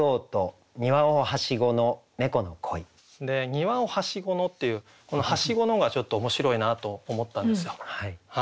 「庭をはしごの」っていうこの「はしごの」がちょっと面白いなと思ったんですよ。